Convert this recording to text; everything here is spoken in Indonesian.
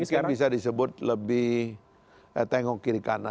mungkin bisa disebut lebih tengok kiri kanan